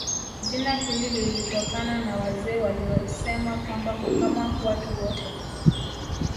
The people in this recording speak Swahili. Jina hili lilitokana na wazee waliosema kwamba kuhama watu wote